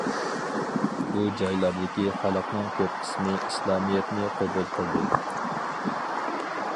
بۇ جايلاردىكى خەلقنىڭ كۆپ قىسمى ئىسلامىيەتنى قوبۇل قىلدى.